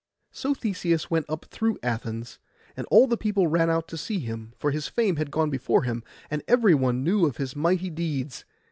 So Theseus went up through Athens, and all the people ran out to see him; for his fame had gone before him and every one knew of his mighty deeds.